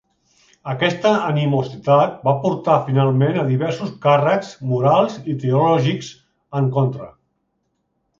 Aquesta animositat va portar finalment a diversos càrrecs morals i teològics en contra.